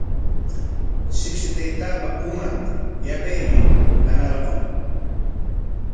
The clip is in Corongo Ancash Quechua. Shipshi taytaapa uman yapaymi nanarqun.